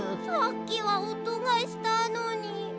さっきはおとがしたのに。